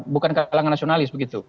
bukan kalangan nasionalis begitu